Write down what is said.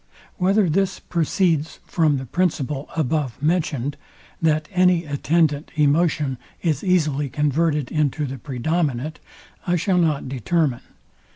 Whether this proceeds from the principle above mentioned, that any attendant emotion is easily converted into the predominant, I shall not determine.